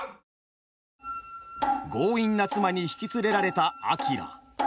強引な妻に引き連れられたあきら。